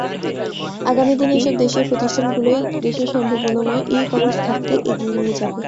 আগামী দিনে এসব দেশীয় প্রতিষ্ঠানগুলোই দেশের সম্ভাবনাময় ই-কমার্স খাতকে এগিয়ে নিয়ে যাবে।